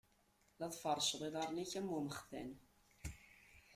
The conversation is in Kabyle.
La tfeṛṛceḍ iḍaṛṛen-ik am umextan.